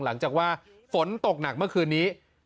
หลังจากว่าฝนตกหนักเมื่อคืนนี้